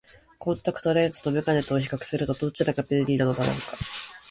コンタクトレンズと眼鏡とを比較すると、どちらが便利なのだろうか。